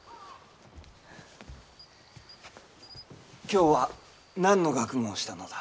きょうは何の学問をしたのだ？